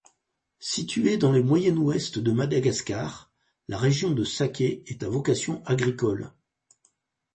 Située dans le moyen-ouest de Madagascar, la région de Sakay est à vocation agricole.